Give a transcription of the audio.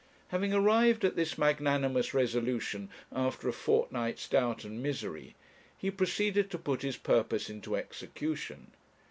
Having arrived at this magnanimous resolution after a fortnight's doubt and misery, he proceeded to put his purpose into execution.